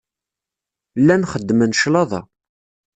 Llan xeddmen cclaḍa.